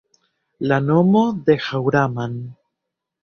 La nomo de Haŭraman